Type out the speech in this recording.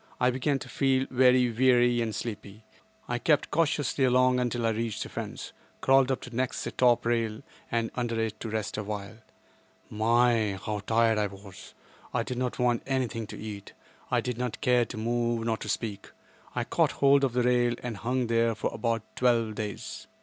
I began to feel very weary and sleepy. I crept cautiously along until I reached the fence; crawled up to next the top rail and under it to rest awhile. My, how tired I was! I did not want anything to eat. I did not care to move, nor to speak. I caught hold of the rail and hung there for about twelve days.